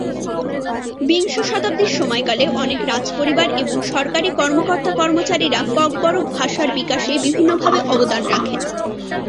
বিংশ শতাব্দীর সময়কালে অনেক রাজপরিবার এবং সরকারি কর্মকর্তা-কর্মচারীরা ককবরক ভাষার বিকাশে বিভিন্নভাবে অবদান রাখেন।